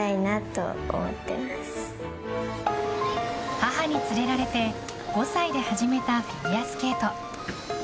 母に連れられて５歳で始めたフィギュアスケート。